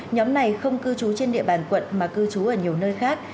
nhóm này không cư trú trên địa bàn quận mà cư trú ở nhiều nơi khác